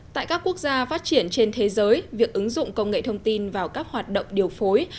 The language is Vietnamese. tại các quốc gia phát triển trên thế giới việc ứng dụng công nghệ thông tin vào các hoạt động điều phối